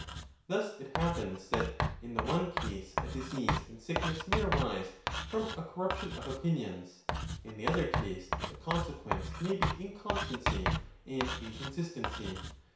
Thus it happens that, in the one case, a disease and sickness may arise from a corruption of opinions; in the other case, the con sequence may be inconstancy and inconsistency.